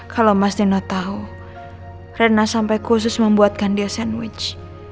kalau mas dino tahu retna sampai khusus membuatkan dia sandwich